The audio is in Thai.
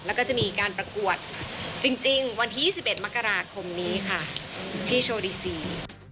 แล้วก็จะมีการประกวดจริงวันที่๒๑มกราคมนี้ค่ะที่โชว์ดีซี